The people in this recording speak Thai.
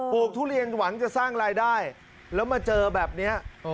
ทุเรียนหวังจะสร้างรายได้แล้วมาเจอแบบนี้